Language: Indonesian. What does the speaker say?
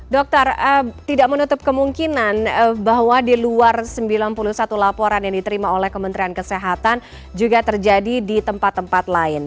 dokter tidak menutup kemungkinan bahwa di luar sembilan puluh satu laporan yang diterima oleh kementerian kesehatan juga terjadi di tempat tempat lain